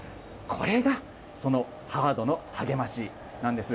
これがそのハードの励ましなんです。